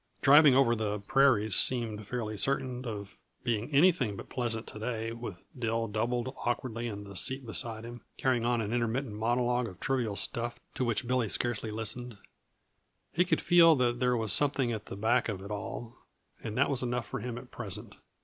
Driving over the prairies seemed fairly certain of being anything but pleasant to day, with Dill doubled awkwardly in the seat beside him, carrying on an intermittent monologue of trivial stuff to which Billy scarcely listened. He could feel that there was something at the back of it all, and that was enough for him at present.